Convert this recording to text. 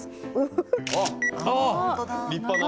あっ立派な。